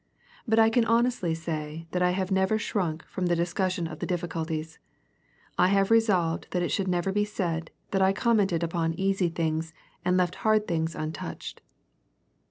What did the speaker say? But I can honestly say, that I have never shrunk from the dis cussion of difficulties. I have resolved that it should , never be said, that I commented upon easy things, and left hard things untouched.